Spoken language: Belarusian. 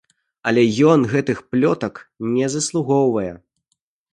Але ён гэтых плётак не заслугоўвае.